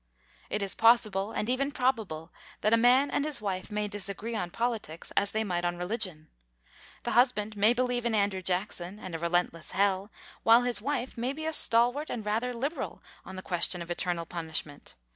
It is possible, and even probable, that a man and his wife may disagree on politics as they might on religion. The husband may believe in Andrew Jackson and a relentless hell, while his wife may be a stalwart and rather liberal on the question of eternal punishment.